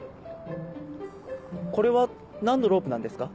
これは何のロープなんですか？